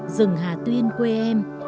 dừng hà tuyên quê em